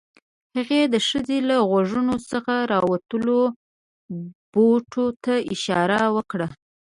هغې د ښځې له غوږونو څخه راوتلو بوټو ته اشاره وکړه